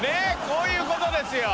こういうことですよ！